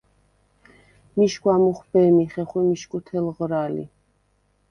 მიშგვა მუხვბე̄მი ხეხვი მიშგუ თელღრა ლი.